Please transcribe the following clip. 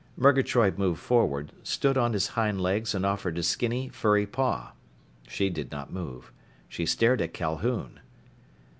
Murgatroyd moved forward, stood on his hind legs and offered a skinny, furry paw. She did not move. She stared at Calhoun.